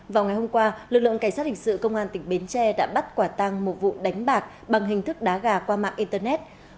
vào ngày hôm qua lực lượng cảnh sát hình sự công an tỉnh bến tre đã bắt quả tăng một vụ đánh bạc bằng hình thức đá gà qua mạng internet